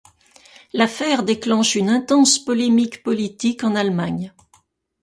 L'affaire déclenche une intense polémique politique en Allemagne.